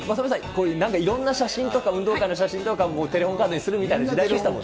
なんかいろんな写真とか、運動会の写真とか、テレホンカードにするみたいな時代でしたもん